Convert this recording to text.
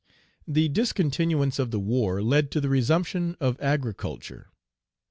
The discontinuance of the war led to the resumption of agriculture.